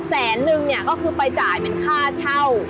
แสนนึงเนี่ยก็คือไปจ่ายเป็นค่าเช่า